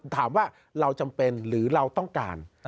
ถามว่าเราจำเป็นหรือเราต้องการ